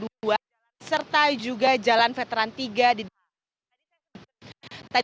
dan juga jalan veteran iii di depan jalan medan merdeka abang